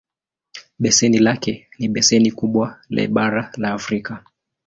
Beseni lake ni beseni kubwa le bara la Afrika.